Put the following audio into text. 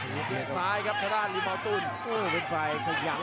นี่ครับหัวมาเจอแบบนี้เลยครับวงในของพาราดอลเล็กครับ